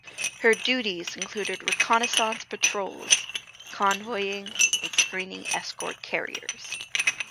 Her duties included reconnaissance patrols, convoying, and screening escort carriers.